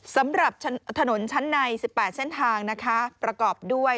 สำหรับถนนชั้นใน๑๘เส้นทางนะคะประกอบด้วย